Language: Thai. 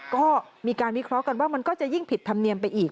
ก็มีการวิเคราะห์กันว่ามันก็จะยิ่งผิดธรรมเนียมไปอีก